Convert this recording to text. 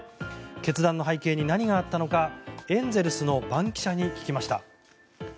決断の背景に何があったのかエンゼルスの番記者に聞きました。